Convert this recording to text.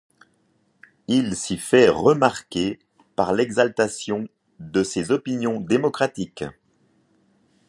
Il s'y fait remarquer par l'exaltation de ses opinions démocratiques.